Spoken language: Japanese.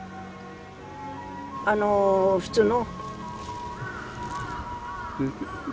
あの普通の。